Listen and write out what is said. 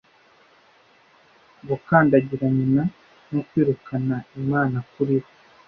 gukandagira nyina no kwirukana imana kuri we